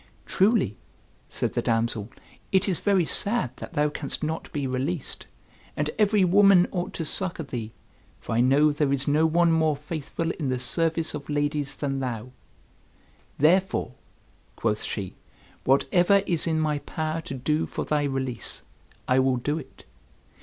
"Truly," said the damsel, "it is very sad that thou canst not be released; and every woman ought to succor thee, for I know there is no one more faithful in the service of ladies than thou. Therefore," quoth she, "whatever is in my power to do for thy release, I will do it.